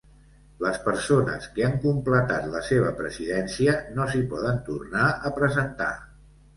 Les persones que han completat la seva presidència no s'hi poden tornar a presentar.